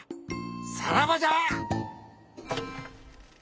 さらばじゃ！